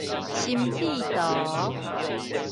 心智圖